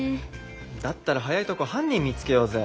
だったら早いとこ犯人見つけようぜ。